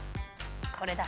これだ。